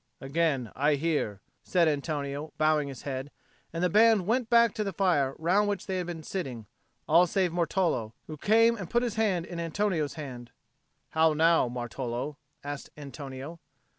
"Again I hear," said Antonio, bowing his head; and the band went back to the fire round which they had been sitting, all save Martolo, who came and put his hand in Antonio's hand. "How now, Martolo?" asked Antonio.